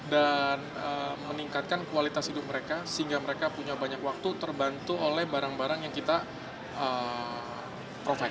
dan meningkatkan kualitas hidup mereka sehingga mereka punya banyak waktu terbantu oleh barang barang yang kita profit